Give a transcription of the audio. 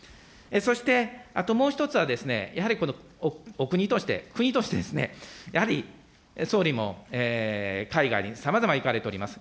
そして、あともう１つはですね、やはりこのお国として、国としてですね、やはり総理も海外にさまざま行かれております。